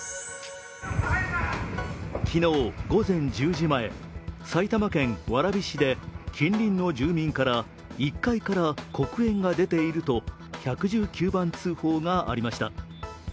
昨日午前１０時前、埼玉県蕨市で近隣の住民から１階から黒煙が出ていると１１９番通報がありました。